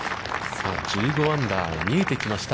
さあ、１５アンダー、見えてきました。